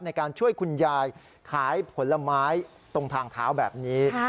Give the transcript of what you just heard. ในการช่วยคุณยายขายผลไม้ตรงทางเท้าแบบนี้